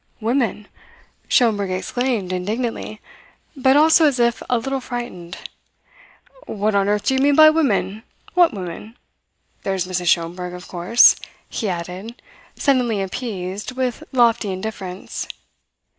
"Women!" Schomberg exclaimed indignantly, but also as if a little frightened. "What on earth do you mean by women? What women? There's Mrs. Schomberg, of course," he added, suddenly appeased, with lofty indifference.